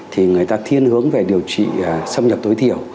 thì người ta thiên hướng về điều trị xâm nhập tối thiểu